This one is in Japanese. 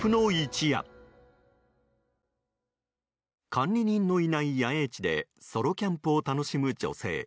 管理人のいない野営地でソロキャンプを楽しむ女性。